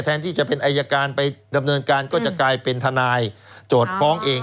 แทนที่จะเป็นอายการไปดำเนินการก็จะกลายเป็นทนายโจทย์ฟ้องเอง